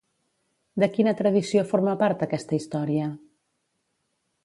De quina tradició forma part aquesta història?